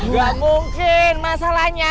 gak mungkin masalahnya